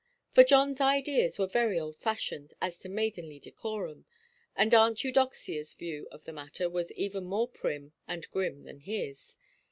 For Johnʼs ideas were very old–fashioned as to maidenly decorum, and Aunt Eudoxiaʼs view of the matter was even more prim and grim than his.